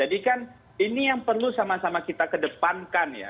jadi kan ini yang perlu sama sama kita kedepankan ya